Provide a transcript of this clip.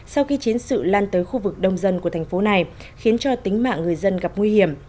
sau khi chiến sự lan tới khu vực đông dân của thành phố này khiến cho tính mạng người dân gặp nguy hiểm